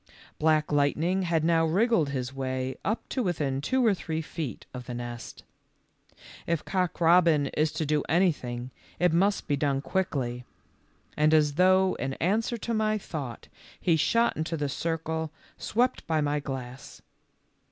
Black Lightning had now wriggled his way up to within two or three feet of the nest. If Cock robin is to do anything it must be done quickly, and as though in answer to my thought he shot into the circle swept by my glass.